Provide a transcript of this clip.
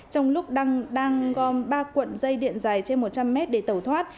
trong lúc đang gom ba cuộn dây điện dài trên một trăm linh mét để tẩu thoát